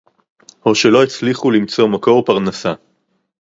או שלא הצליחו למצוא מקור פרנסה